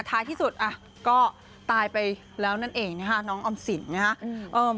ท้ายที่สุดก็ตายไปแล้วนั่นเองนะคะน้องออมสินนะครับ